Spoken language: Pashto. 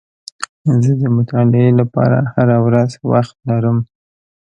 زه د مطالعې لپاره هره ورځ وخت لرم.